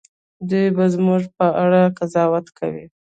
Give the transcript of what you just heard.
دوی به زموږ په اړه قضاوت کوي.